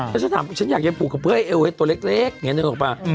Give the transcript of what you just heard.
ถ้าฉันถามฉันอยากให้ปลูกกับเขาเพื่อให้เอวให้ตัวเล็กอย่างนี้หรือเปล่า